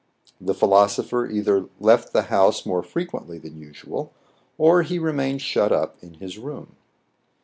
The philosopher either left the house more fre quently than usual, or he remained shut up in his room.